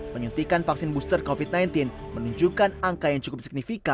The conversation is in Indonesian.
penyuntikan vaksin booster covid sembilan belas menunjukkan angka yang cukup signifikan